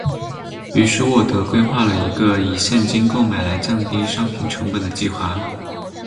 于是沃德规划了一个以现金购买来降低商品成本的计划。